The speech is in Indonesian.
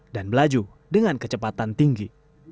dan belaju dengan kecepatan tinggi